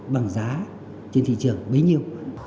bằng giá trên thị trường bấy nhiêu